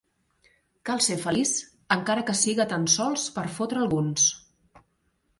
Cal ser feliç encara que siga tan sols per fotre alguns.